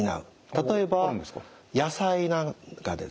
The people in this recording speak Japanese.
例えば野菜なんかですね。